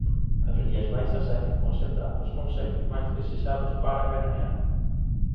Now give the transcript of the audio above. As Rías Baixas seguen concentrando os concellos máis desexados para veranear.